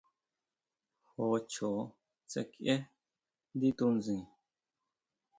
Jó chjoó sakieʼe ndí tunsin.